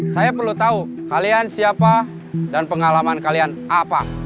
saya perlu tahu kalian siapa dan pengalaman kalian apa